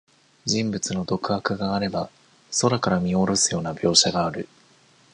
人物の独白があれば、空から見おろすような描写がある。